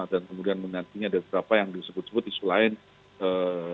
dan kemudian menggantinya dari beberapa yang disebut sebut isu lainnya